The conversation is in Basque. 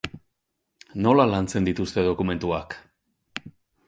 Nola lantzen dituzte dokumentuak?